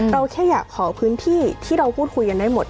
แค่อยากขอพื้นที่ที่เราพูดคุยกันได้หมด